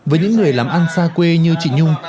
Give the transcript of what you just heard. với những người làm ăn xa quê như chị nhung